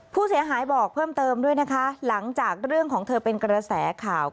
ผู้เสียหายบอกเพิ่มเติมด้วยนะคะหลังจากเรื่องของเธอเป็นกระแสข่าว